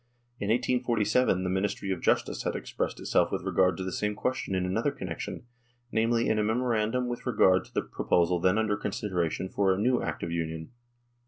In 1847 the Ministry of Justice had expressed itself with regard to the same question in another connection, namely, in a memorandum with regard to the proposal then under considera tion for a new Act of Union.